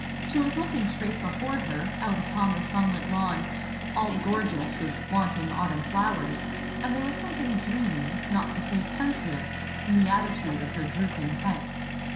She was looking straight before her, out upon the sunlit lawn, all gorgeous with flaunting autumn flowers; and there was something dreamy, not to say pensive, in the attitude of her drooping head.